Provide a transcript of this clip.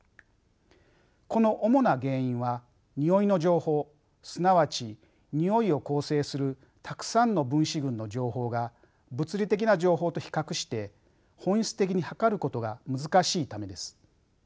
この主な原因はにおいの情報すなわちにおいを構成するたくさんの分子群の情報が物理的な情報と比較して本質的に測ることが難しいためです。